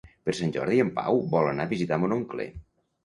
Per Sant Jordi en Pau vol anar a visitar mon oncle.